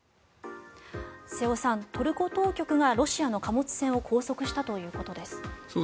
瀬尾さん、トルコ当局がロシアの貨物船を拘束したということです。